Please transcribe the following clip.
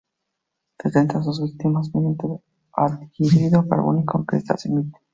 Detecta a sus víctimas mediante el anhídrido carbónico que estas emiten.